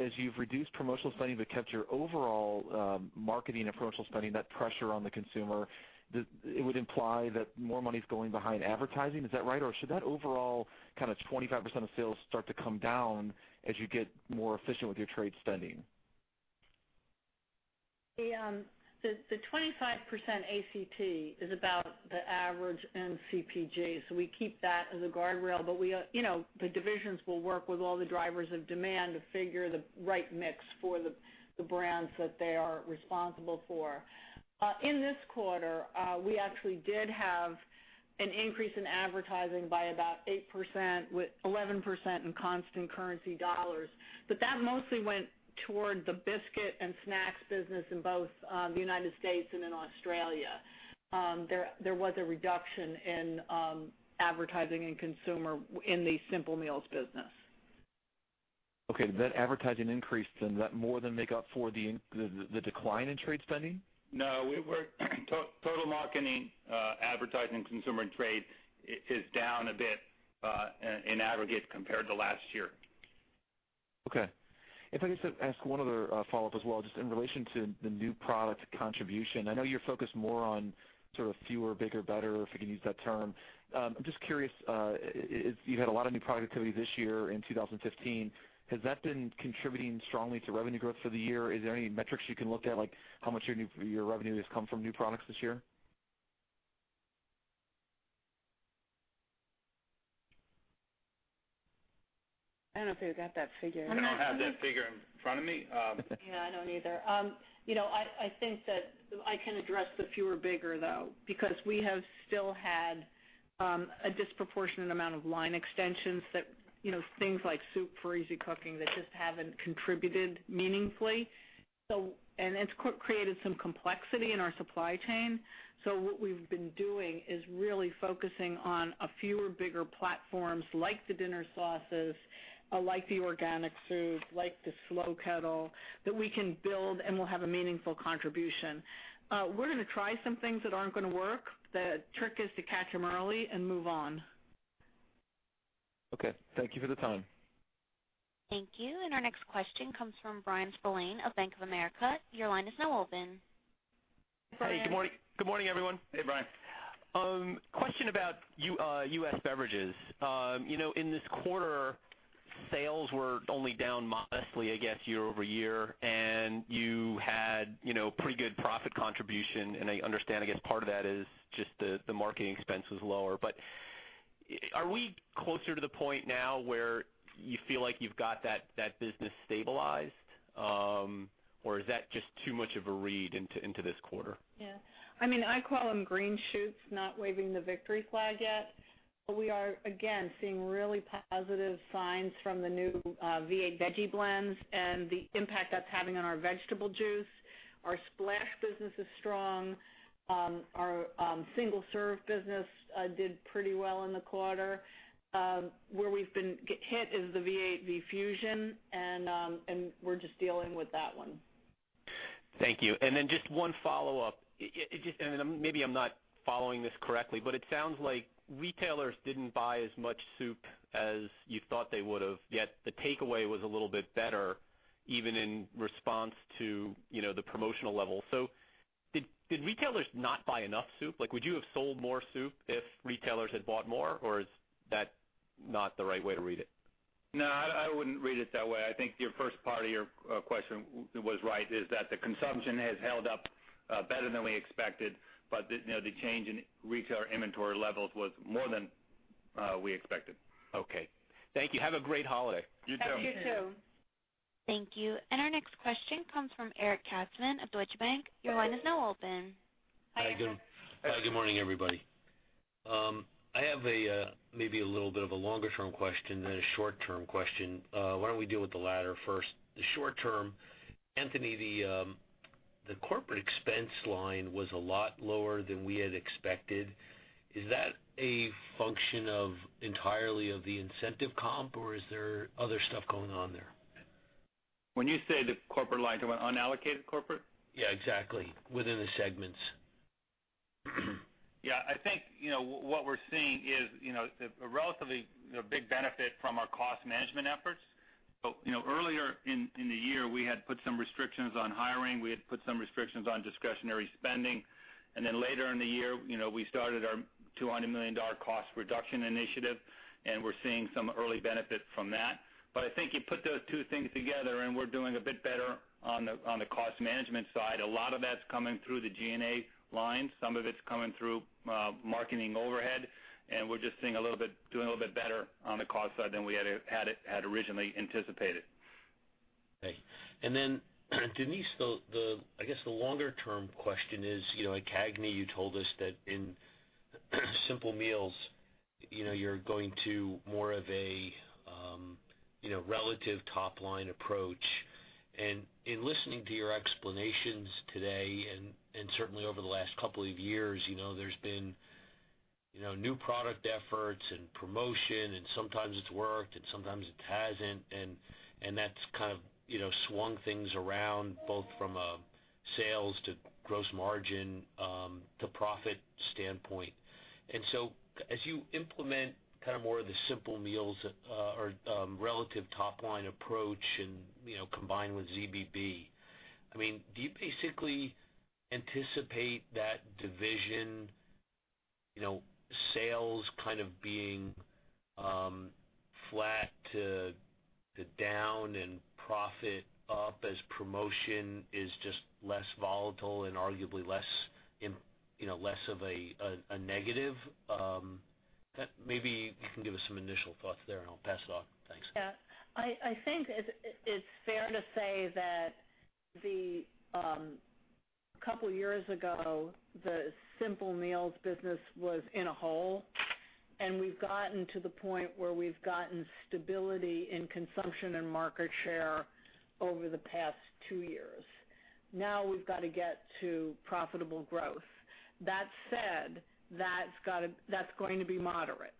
Speaker 7: as you've reduced promotional spending but kept your overall marketing and promotional spending, that pressure on the consumer, it would imply that more money's going behind advertising. Is that right? Or should that overall kind of 25% of sales start to come down as you get more efficient with your trade spending?
Speaker 3: The 25% ACT is about the average in CPG. We keep that as a guardrail. The divisions will work with all the drivers of demand to figure the right mix for the brands that they are responsible for. In this quarter, we actually did have an increase in advertising by about 8%, with 11% in constant currency dollars. That mostly went toward the biscuit and snacks business in both the United States and in Australia. There was a reduction in advertising and consumer in the Simple Meals business.
Speaker 7: Okay. That advertising increase, then, did that more than make up for the decline in trade spending?
Speaker 4: No. Total marketing, advertising, consumer, and trade is down a bit in aggregate compared to last year.
Speaker 7: Okay. If I could just ask one other follow-up as well, just in relation to the new product contribution. I know you're focused more on sort of fewer, bigger, better, if we can use that term. I'm just curious, you've had a lot of new product activity this year in 2015. Has that been contributing strongly to revenue growth for the year? Is there any metrics you can look at, like how much of your revenue has come from new products this year?
Speaker 3: I don't know if we've got that figure.
Speaker 4: I don't have that figure in front of me.
Speaker 3: Yeah, I don't either. I think that I can address the fewer, bigger, though, because we have still had a disproportionate amount of line extensions that, things like soup for easy cooking, that just haven't contributed meaningfully. It's created some complexity in our supply chain. What we've been doing is really focusing on a fewer, bigger platforms like the Dinner Sauces, like the organic soups, like the Slow Kettle, that we can build and will have a meaningful contribution. We're gonna try some things that aren't gonna work. The trick is to catch them early and move on.
Speaker 7: Okay. Thank you for the time.
Speaker 1: Thank you. Our next question comes from Bryan Spillane of Bank of America. Your line is now open.
Speaker 3: Hey, Bryan. Good morning, everyone.
Speaker 4: Hey, Bryan.
Speaker 9: Question about U.S. beverages. In this quarter, sales were only down modestly, I guess, year-over-year, you had pretty good profit contribution, I understand, I guess, part of that is just the marketing expense was lower. Are we closer to the point now where you feel like you've got that business stabilized? Or is that just too much of a read into this quarter?
Speaker 3: Yeah. I call them green shoots, not waving the victory flag yet. We are, again, seeing really positive signs from the new V8 Veggie Blends and the impact that's having on our vegetable juice. Our splash business is strong. Our single-serve business did pretty well in the quarter. Where we've been hit is the V8 V-Fusion, we're just dealing with that one.
Speaker 9: Thank you. Then just one follow-up. Maybe I'm not following this correctly, but it sounds like retailers didn't buy as much soup as you thought they would have, yet the takeaway was a little bit better, even in response to the promotional level. Did retailers not buy enough soup? Would you have sold more soup if retailers had bought more, or is that not the right way to read it?
Speaker 4: No, I wouldn't read it that way. I think your first part of your question was right, is that the consumption has held up better than we expected, but the change in retail inventory levels was more than we expected.
Speaker 9: Okay. Thank you. Have a great holiday.
Speaker 4: You, too.
Speaker 3: Thank you, too.
Speaker 1: Thank you. Our next question comes from Eric Katzman of Deutsche Bank. Your line is now open.
Speaker 10: Hi, good morning, everybody. I have maybe a little bit of a longer-term question, then a short-term question. Why don't we deal with the latter first? The short-term, Anthony, the corporate expense line was a lot lower than we had expected. Is that a function entirely of the incentive comp, or is there other stuff going on there?
Speaker 4: When you say the corporate line, you mean unallocated corporate?
Speaker 10: Yeah, exactly. Within the segments.
Speaker 4: Yeah, I think what we're seeing is a relatively big benefit from our cost management efforts. Earlier in the year, we had put some restrictions on hiring. We had put some restrictions on discretionary spending. Later in the year, we started our $200 million cost reduction initiative. We're seeing some early benefit from that. I think you put those two things together. We're doing a bit better on the cost management side. A lot of that's coming through the G&A line. Some of it's coming through marketing overhead. We're just doing a little bit better on the cost side than we had originally anticipated.
Speaker 10: Okay. Denise, I guess the longer-term question is, at CAGNY, you told us that in Simple Meals, you're going to more of a relative top-line approach. In listening to your explanations today, certainly over the last couple of years, there's been new product efforts and promotion. Sometimes it's worked, sometimes it hasn't. That's kind of swung things around, both from a sales to gross margin, to profit standpoint. As you implement more of the Simple Meals or relative top-line approach and combine with ZBB, do you basically anticipate that division sales kind of being flat to down and profit up as promotion is just less volatile and arguably less of a negative? Maybe you can give us some initial thoughts there. I'll pass it on. Thanks.
Speaker 3: Yeah. I think it's fair to say that a couple of years ago, the Simple Meals business was in a hole. We've gotten to the point where we've gotten stability in consumption and market share over the past two years. Now we've got to get to profitable growth. That said, that's going to be moderate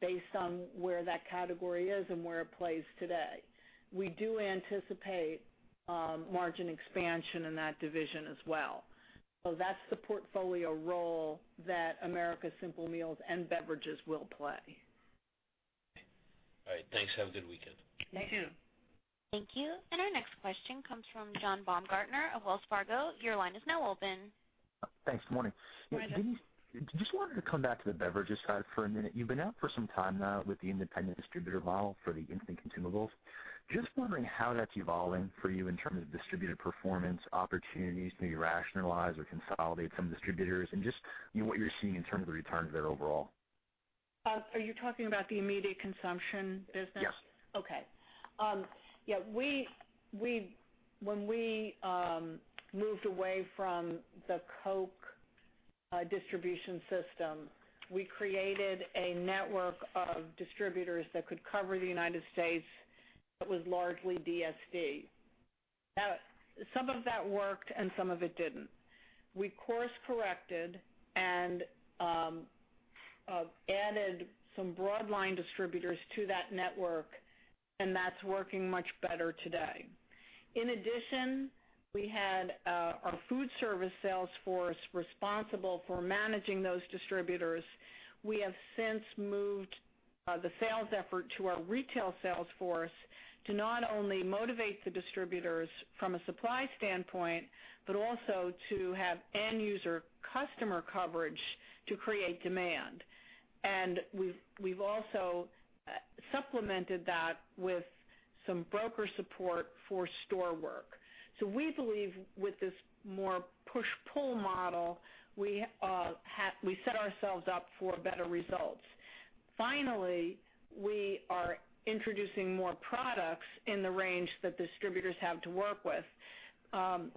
Speaker 3: based on where that category is and where it plays today. We do anticipate margin expansion in that division as well. That's the portfolio role that Americas Simple Meals and Beverages will play.
Speaker 10: Okay. All right. Thanks. Have a good weekend.
Speaker 3: You, too.
Speaker 1: Thank you. Our next question comes from John Baumgartner of Wells Fargo. Your line is now open.
Speaker 11: Thanks. Good morning.
Speaker 3: Morning. Denise, just wanted to come back to the beverages side for a minute. You've been out for some time now with the independent distributor model for the instant consumables. Just wondering how that's evolving for you in terms of distributor performance, opportunities to rationalize or consolidate some distributors, and just what you're seeing in terms of the returns there overall. Are you talking about the immediate consumption business?
Speaker 11: Yes.
Speaker 3: Okay. Yeah, when we moved away from the Coke distribution system, we created a network of distributors that could cover the United States that was largely DSD. Some of that worked, and some of it didn't. We course-corrected and added some broad line distributors to that network, and that's working much better today. In addition, we had our food service sales force responsible for managing those distributors. We have since moved the sales effort to our retail sales force to not only motivate the distributors from a supply standpoint, but also to have end user customer coverage to create demand. We've also supplemented that with some broker support for store work. We believe with this more push-pull model, we set ourselves up for better results. Finally, we are introducing more products in the range that distributors have to work with.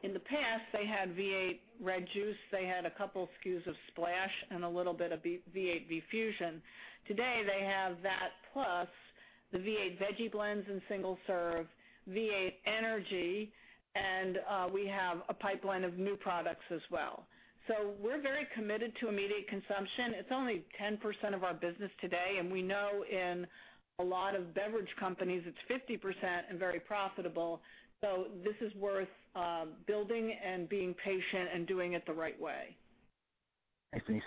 Speaker 3: In the past, they had V8 red juice, they had a couple SKUs of Splash, and a little bit of V8 V-Fusion. Today, they have that plus the V8 veggie blends in single-serve, V8 Energy, and we have a pipeline of new products as well. We're very committed to immediate consumption. It's only 10% of our business today, and we know in a lot of beverage companies it's 50% and very profitable. This is worth building and being patient and doing it the right way.
Speaker 4: Thanks, Denise.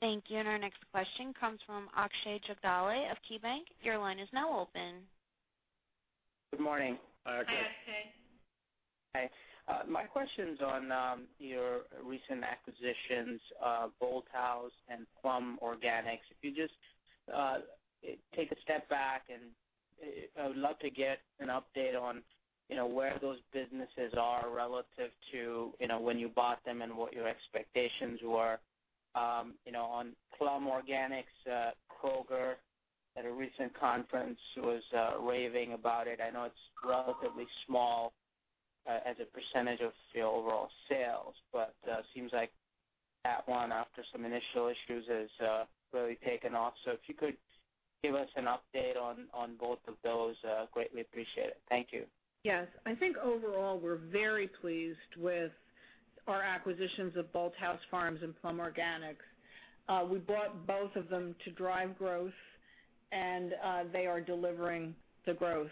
Speaker 1: Thank you. Our next question comes from Akshay Jagdale of KeyBanc. Your line is now open.
Speaker 12: Good morning.
Speaker 3: Hi, Akshay.
Speaker 12: Hi. My question's on your recent acquisitions of Bolthouse Farms and Plum Organics. I would love to get an update on where those businesses are relative to when you bought them and what your expectations were. On Plum Organics, The Kroger Co. at a recent conference was raving about it. I know it's relatively small as a percentage of the overall sales, but seems like that one after some initial issues has really taken off. If you could give us an update on both of those, greatly appreciate it. Thank you.
Speaker 3: Yes. I think overall we're very pleased with our acquisitions of Bolthouse Farms and Plum Organics. We bought both of them to drive growth and they are delivering the growth.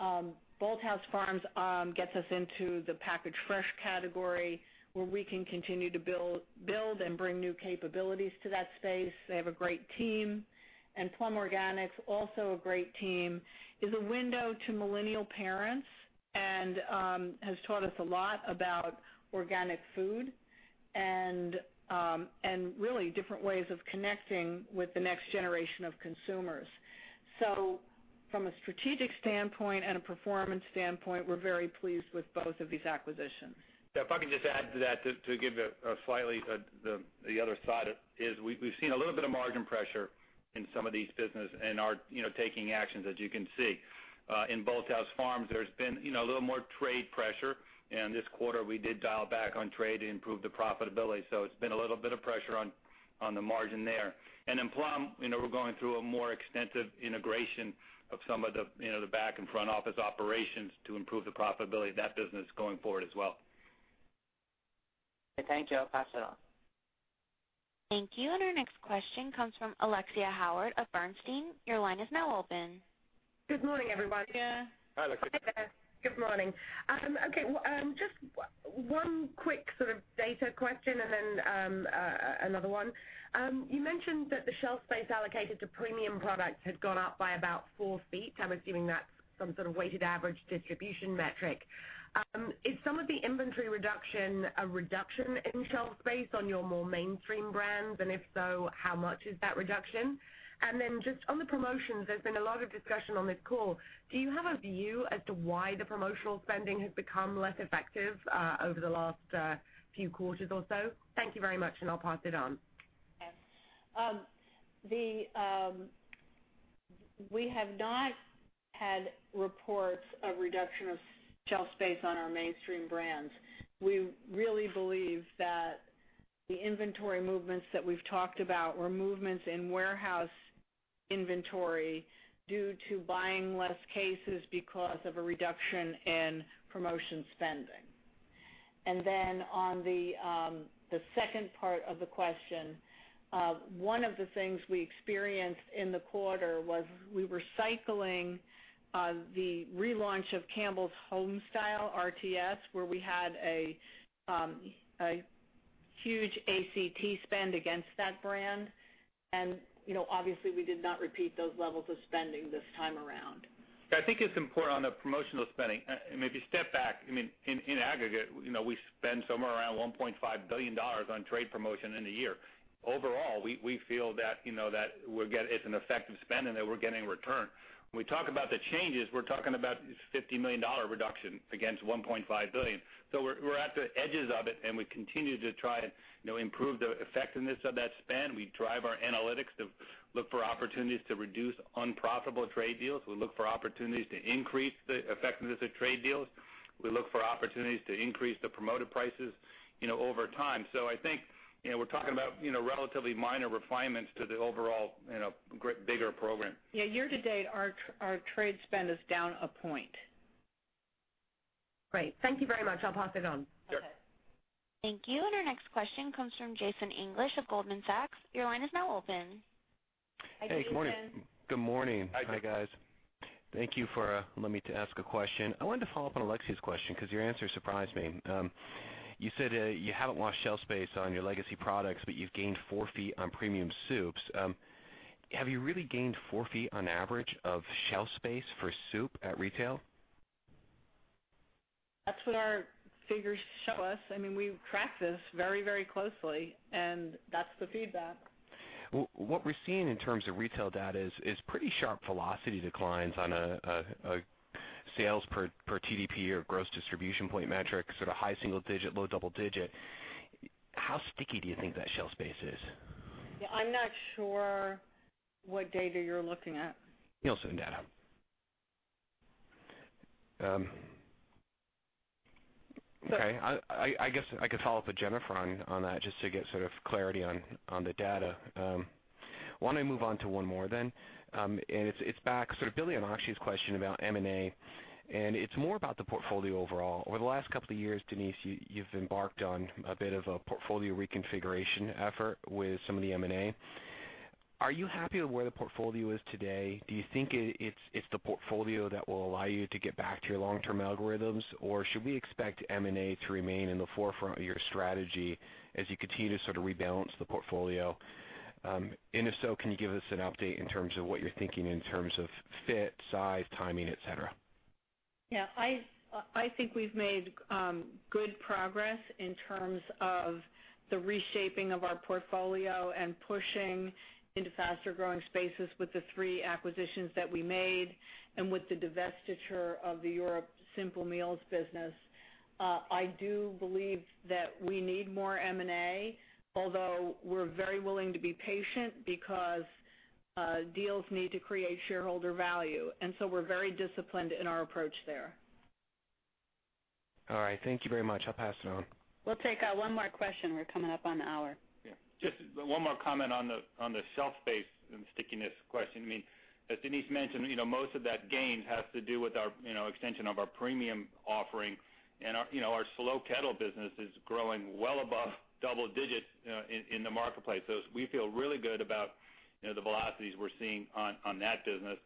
Speaker 3: Bolthouse Farms gets us into the packaged fresh category where we can continue to build and bring new capabilities to that space. They have a great team. Plum Organics, also a great team, is a window to millennial parents and has taught us a lot about organic food and really different ways of connecting with the next generation of consumers. From a strategic standpoint and a performance standpoint, we're very pleased with both of these acquisitions.
Speaker 4: Yeah. If I can just add to that to give a slightly, the other side is we've seen a little bit of margin pressure in some of these business and are taking actions as you can see. In Bolthouse Farms there's been a little more trade pressure and this quarter we did dial back on trade to improve the profitability. It's been a little bit of pressure on the margin there. In Plum, we're going through a more extensive integration of some of the back and front office operations to improve the profitability of that business going forward as well.
Speaker 12: Thank you. I'll pass it on.
Speaker 1: Thank you. Our next question comes from Alexia Howard of Bernstein. Your line is now open.
Speaker 13: Good morning, everyone.
Speaker 3: Yeah.
Speaker 4: Hi, Alexia.
Speaker 13: Hey there. Good morning. Just one quick sort of data question and then another one. You mentioned that the shelf space allocated to premium products had gone up by about four feet. I'm assuming that's some sort of weighted average distribution metric. Is some of the inventory reduction a reduction in shelf space on your more mainstream brands? If so, how much is that reduction? Then just on the promotions, there's been a lot of discussion on this call. Do you have a view as to why the promotional spending has become less effective over the last few quarters or so? Thank you very much and I'll pass it on.
Speaker 3: Okay. We have not had reports of reduction of shelf space on our mainstream brands. We really believe that the inventory movements that we've talked about were movements in warehouse inventory due to buying less cases because of a reduction in promotion spending. On the second part of the question, one of the things we experienced in the quarter was we were cycling the relaunch of Campbell's Homestyle RTS, where we had a huge ACT spend against that brand. Obviously we did not repeat those levels of spending this time around.
Speaker 4: Yeah, I think it's important on the promotional spending, maybe step back. In aggregate, we spend somewhere around $1.5 billion on trade promotion in a year. Overall, we feel that it's an effective spend and that we're getting return. When we talk about the changes, we're talking about $50 million reduction against $1.5 billion. We're at the edges of it and we continue to try and improve the effectiveness of that spend. We drive our analytics to look for opportunities to reduce unprofitable trade deals. We look for opportunities to increase the effectiveness of trade deals. We look for opportunities to increase the promoted prices over time. I think we're talking about relatively minor refinements to the overall bigger program.
Speaker 3: Yeah, year to date, our trade spend is down a point.
Speaker 13: Great. Thank you very much. I'll pass it on.
Speaker 4: Sure.
Speaker 3: Okay.
Speaker 1: Thank you. Our next question comes from Jason English of Goldman Sachs. Your line is now open.
Speaker 3: Hi, Jason.
Speaker 14: Hey, good morning.
Speaker 4: Good morning.
Speaker 3: Hi.
Speaker 14: Hi, guys. Thank you for letting me ask a question. I wanted to follow up on Alexia's question because your answer surprised me. You said you haven't lost shelf space on your legacy products, but you've gained four feet on premium soups. Have you really gained four feet on average of shelf space for soup at retail?
Speaker 3: That's what our figures show us. We track this very closely, and that's the feedback.
Speaker 14: What we're seeing in terms of retail data is pretty sharp velocity declines on a sales per TDP or gross distribution point metric, sort of high single digit, low double digit. How sticky do you think that shelf space is?
Speaker 3: Yeah, I'm not sure what data you're looking at.
Speaker 14: Nielsen data. Okay. I guess I could follow up with Jennifer on that just to get sort of clarity on the data. Why don't I move on to one more then? It's back, sort of building on Akshi's question about M&A, and it's more about the portfolio overall. Over the last couple of years, Denise, you've embarked on a bit of a portfolio reconfiguration effort with some of the M&A. Are you happy with where the portfolio is today? Do you think it's the portfolio that will allow you to get back to your long-term algorithms? Should we expect M&A to remain in the forefront of your strategy as you continue to sort of rebalance the portfolio? If so, can you give us an update in terms of what you're thinking in terms of fit, size, timing, et cetera?
Speaker 3: Yeah. I think we've made good progress in terms of the reshaping of our portfolio and pushing into faster-growing spaces with the three acquisitions that we made and with the divestiture of the Europe Simple Meals business. I do believe that we need more M&A, although we're very willing to be patient because deals need to create shareholder value, so we're very disciplined in our approach there.
Speaker 14: All right. Thank you very much. I'll pass it on.
Speaker 2: We'll take one more question. We're coming up on the hour.
Speaker 3: Yeah.
Speaker 4: Just one more comment on the shelf space and stickiness question. As Denise mentioned, most of that gain has to do with our extension of our premium offering and our Slow Kettle business is growing well above double digits in the marketplace. We feel really good about the velocities we're seeing on that business.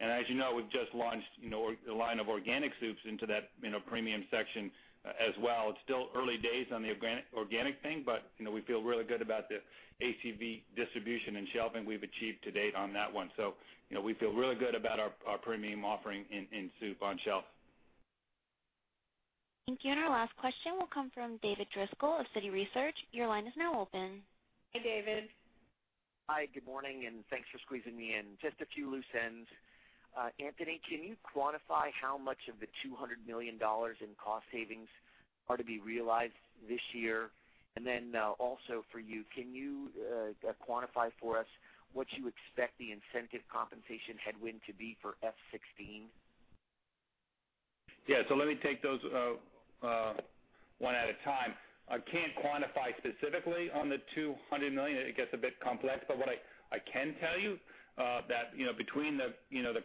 Speaker 4: As you know, we've just launched a line of organic soups into that premium section as well. It's still early days on the organic thing, but we feel really good about the ACV distribution and shelving we've achieved to date on that one. We feel really good about our premium offering in soup on shelf.
Speaker 2: Thank you. Our last question will come from David Driscoll of Citi Research. Your line is now open.
Speaker 3: Hey, David.
Speaker 15: Hi, good morning, thanks for squeezing me in. Just a few loose ends. Anthony, can you quantify how much of the $200 million in cost savings are to be realized this year? Also for you, can you quantify for us what you expect the incentive compensation headwind to be for FY 2016?
Speaker 4: Yeah. Let me take those one at a time. I can't quantify specifically on the $200 million. It gets a bit complex, but what I can tell you, that between the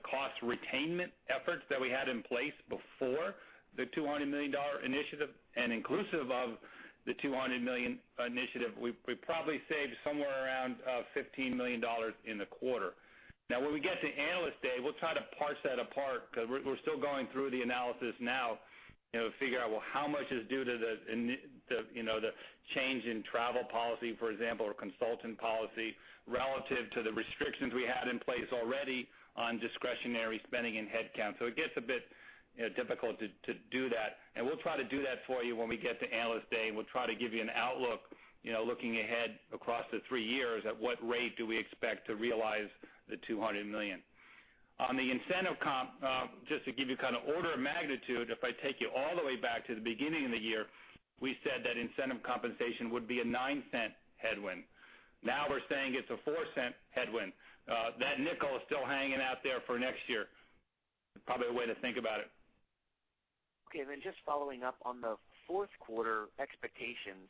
Speaker 4: cost retainment efforts that we had in place before the $200 million initiative and inclusive of the $200 million initiative, we probably saved somewhere around $15 million in the quarter. When we get to Analyst Day, we'll try to parse that apart because we're still going through the analysis now, figure out, well, how much is due to the change in travel policy, for example, or consultant policy relative to the restrictions we had in place already on discretionary spending and headcount. It gets a bit difficult to do that, and we'll try to do that for you when we get to Analyst Day, and we'll try to give you an outlook, looking ahead across the three years at what rate do we expect to realize the $200 million. On the incentive comp, just to give you kind of order of magnitude, if I take you all the way back to the beginning of the year, we said that incentive compensation would be a $0.09 headwind. We're saying it's a $0.04 headwind. That nickel is still hanging out there for next year. Probably a way to think about it.
Speaker 15: Just following up on the fourth quarter expectations,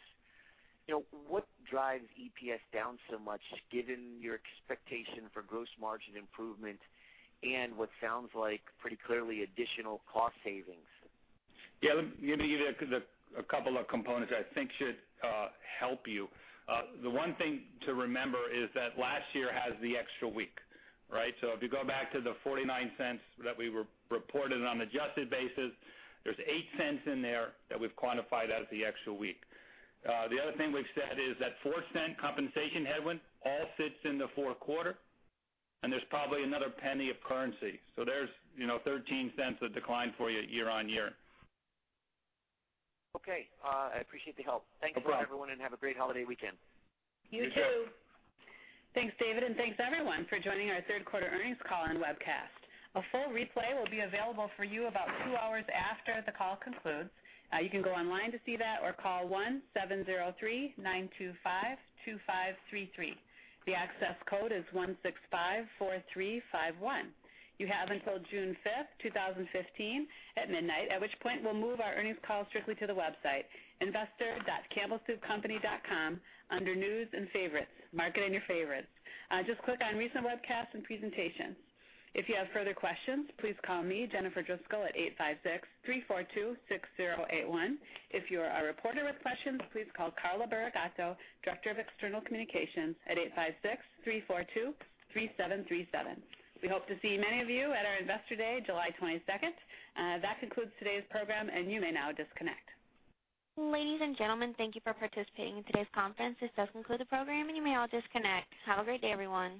Speaker 15: what drives EPS down so much given your expectation for gross margin improvement and what sounds like pretty clearly additional cost savings?
Speaker 4: Yeah, let me give you a couple of components that I think should help you. The one thing to remember is that last year has the extra week. If you go back to the $0.49 that we reported on an adjusted basis, there's $0.08 in there that we've quantified as the extra week. The other thing we've said is that $0.04 compensation headwind all sits in the fourth quarter, and there's probably another $0.01 of currency. There's $0.13 of decline for you year-on-year.
Speaker 15: Okay. I appreciate the help.
Speaker 4: No problem.
Speaker 15: Thanks, everyone, and have a great holiday weekend.
Speaker 3: You too.
Speaker 14: You too.
Speaker 2: Thanks, David, and thanks everyone for joining our third quarter earnings call and webcast. A full replay will be available for you about two hours after the call concludes. You can go online to see that or call 1-703-925-2533. The access code is 1654351. You have until June 5th, 2015, at midnight, at which point we'll move our earnings call strictly to the website, investor.campbellsoupcompany.com, under News and Favorites, Market and Your Favorites. Just click on Recent Webcasts and Presentations. If you have further questions, please call me, Jennifer Driscoll, at 856-342-6081. If you are a reporter with questions, please call Carla Burigatto, Director of External Communications, at 856-342-3737. We hope to see many of you at our Investor Day, July 22nd. That concludes today's program, and you may now disconnect.
Speaker 16: Ladies and gentlemen, thank you for participating in today's conference. This does conclude the program, and you may all disconnect. Have a great day, everyone.